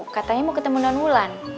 katanya mau ketemu non wulan